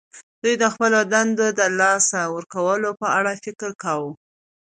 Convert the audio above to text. دوی د خپلو دندو د لاسه ورکولو په اړه فکر کاوه